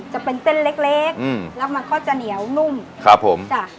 จะเป็นเส้นเล็กเล็กอืมแล้วมันก็จะเหนียวนุ่มครับผมจ้ะ